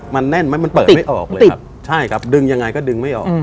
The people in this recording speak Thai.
มันแน่นไหมมันเปิดไม่ออกเลยครับใช่ครับดึงยังไงก็ดึงไม่ออก